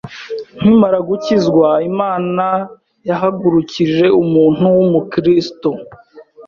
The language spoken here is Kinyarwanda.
Nkimara gukizwa, Imana yahagurukije umuntu w’Umukristo